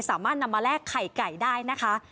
สามารถนำมาแลกไข่ไก่ได้นะคะ